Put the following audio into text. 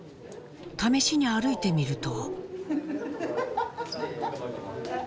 試しに歩いてみると。